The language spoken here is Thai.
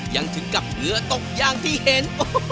ยังถึงกับเหงื่อตกอย่างที่เห็น